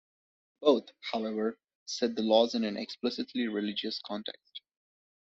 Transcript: Both, however, set the laws in an explicitly religious context.